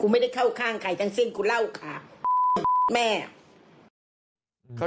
ไม่ได้เข้าข้างใครทั้งสิ้นกูเล่าขาแม่